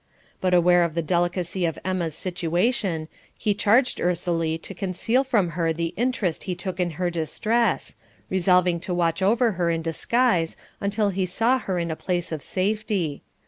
But aware of the delicacy of Emma's situation, he charged Ursely to conceal from her the interest he took in her distress, resolving to watch over her in disguise until he saw her in a place of safety.